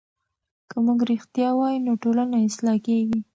که موږ رښتیا وایو نو ټولنه اصلاح کېږي.